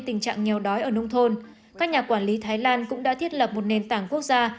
tình trạng nghèo đói ở nông thôn các nhà quản lý thái lan cũng đã thiết lập một nền tảng quốc gia